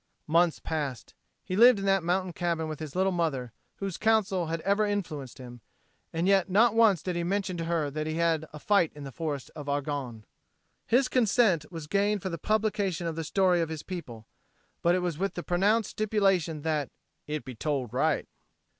Months passed. He lived in that mountain cabin with his little mother, whose counsel has ever influenced him, and yet not once did he mention to her that he had a fight in the Forest of Argonne. His consent was gained for the publication of the story of his people, but it was with the pronounced stipulation that "it be told right."